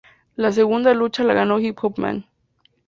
La segunda lucha la ganó Hip Hop Man.